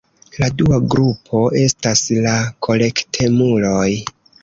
La dua grupo estas la kolektemuloj.